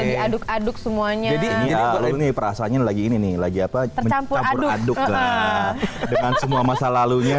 diaduk aduk semuanya ini perasaannya lagi ini lagi apa tercampur aduk dengan semua masa lalunya